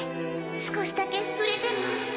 少しだけ触れても。